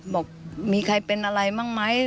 บอกมีใครเป็นอะไรบ้างไหม